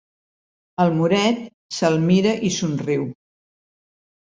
El moret se'l mira i somriu.